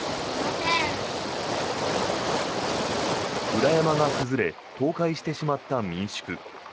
裏山が崩れ倒壊してしまった民宿。